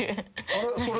あれ？